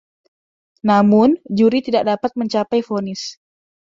Namun, juri tidak dapat mencapai vonis.